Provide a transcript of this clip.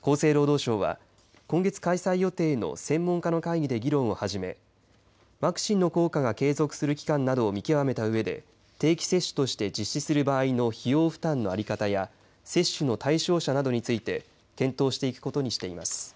厚生労働省は今月開催予定の専門家の会議で議論を始めワクチンの効果が継続する期間などを見極めたうえで定期接種として実施する場合の費用負担の在り方や接種の対象者などについて検討していくことにしています。